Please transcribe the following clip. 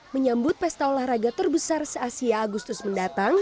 menyambut pesta olahraga terbesar se asia agustus mendatang